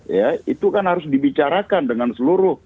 ya itu kan harus dibicarakan dengan seluruh